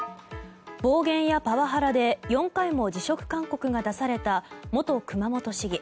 暴言やパワハラで４回も辞職勧告が出された元熊本市議。